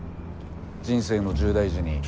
人生の重大事に。